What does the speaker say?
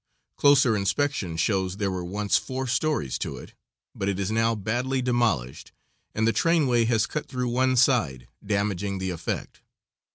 Closer inspection shows there were once four stories to it, but it is now badly demolished, and the trainway has cut through one side, damaging the effect.